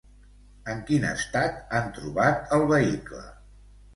En quin estat han trobat el vehicle?